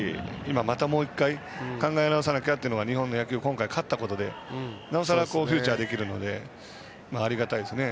まだもう１回考え直さなきゃというのが日本の野球、今回勝ったのでなおさらフューチャーできるのでありがたいですね。